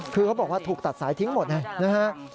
คือเขาบอกว่าถูกตัดสายทิ้งหมดนะครับ